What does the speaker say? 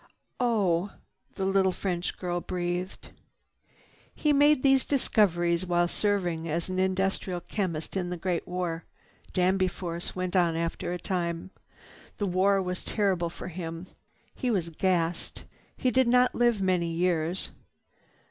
"Oh!" the little French girl breathed. "He made these discoveries while serving as an industrial chemist in the Great War," Danby Force went on after a time. "The war was terrible for him. He was gassed. He did not live many years.